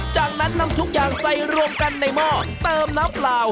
จากนั้นนำทุกอย่างใส่รวมกันในหม้อเติมน้ำเปล่า